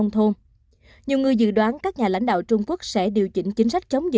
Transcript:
tăng dịch tẩy